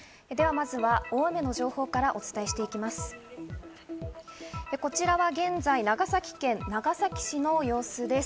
まずは大雨の情報からお伝えしていきます。